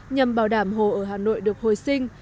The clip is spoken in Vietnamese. nhằm bảo đảm hồ ở hà nội được hồi sinh